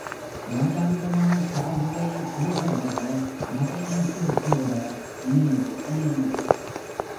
ராஜாங்கமா கார்லே போக வர, நகை நட்டுப்போட,....... ம், ம்.